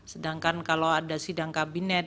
sedangkan kalau ada sidang kabinet